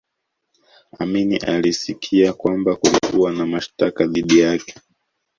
amin alisikia kwamba kulikuwa na mashtaka dhidi yake